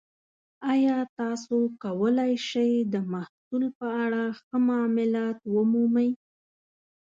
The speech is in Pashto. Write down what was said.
ایا تاسو کولی شئ د محصول په اړه ښه معامله ومومئ؟